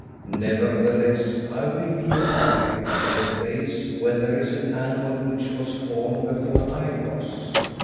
Nevertheless, I will be your guide to the place where there is an animal which was formed before I was."